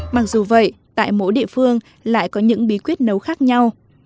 mặc dù vậy tại mỗi địa phương lại có những bí quyết nấu khác nhau